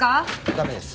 駄目です。